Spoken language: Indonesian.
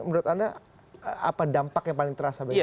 menurut anda apa dampak yang paling terasa begitu